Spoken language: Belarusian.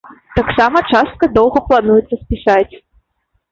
Таксама частка доўгу плануецца спісаць.